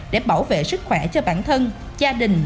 để bảo vệ sức khỏe cho bản thân gia đình